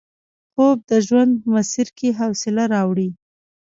خوب د ژوند په مسیر کې حوصله راوړي